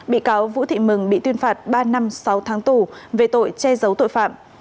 bị cáo vũ thị mừng bị tuyên phạt ba năm sáu tháng tù về tội che giấu tội phạm